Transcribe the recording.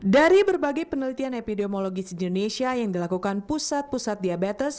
dari berbagai penelitian epidemiologis indonesia yang dilakukan pusat pusat diabetes